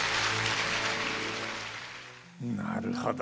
なるほど！